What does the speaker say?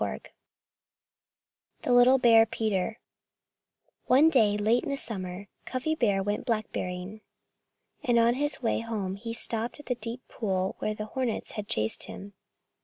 XIX THE LITTLE BEAR PETER One day late in the summer Cuffy Bear went blackberrying. And on his way home he stopped at the deep pool where the hornets had chased him.